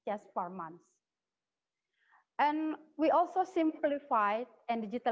saya menggunakan data dari indonesia